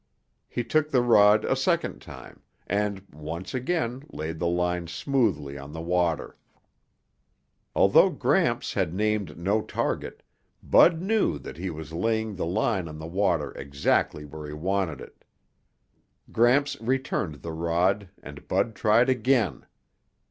He took the rod a second time, and once again laid the line smoothly on the water. Although Gramps had named no target, Bud knew that he was laying the line on the water exactly where he wanted it. Gramps returned the rod and Bud tried again.